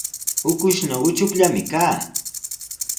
Ukushnaw uchukllami kaa.